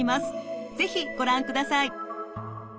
是非ご覧ください。